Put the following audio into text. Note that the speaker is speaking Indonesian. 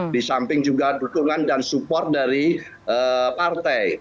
di samping juga dukungan dan support dari partai